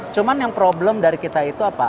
cuman yang problem dari kita itu apa